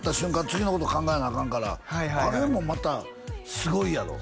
次のこと考えなアカンからあれもまたすごいやろ？